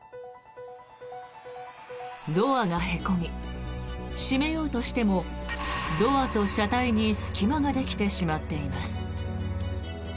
ドアがへこみ、閉めようとしてもドアと車体に隙間ができてしまっています。